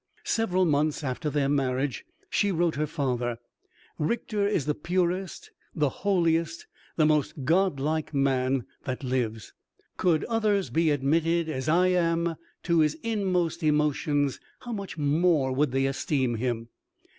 Several months after their marriage she wrote her father, "Richter is the purest, the holiest, the most godlike man that lives. Could others be admitted, as I am, to his inmost emotions, how much more would they esteem him!"